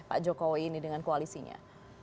pak jokowi ini dengan koalisinya